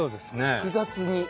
複雑に。